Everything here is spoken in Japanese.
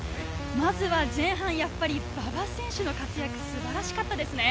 まずは前半、やっぱり馬場選手の活躍、素晴らしかったですね。